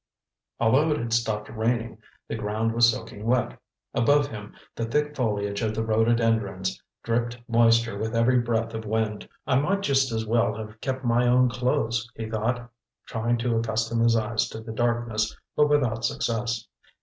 Although it had stopped raining, the ground was soaking wet. Above him, the thick foliage of the rhododendrons dripped moisture with every breath of wind. "I might just as well have kept my own clothes," he thought, trying to accustom his eyes to the darkness, but without success.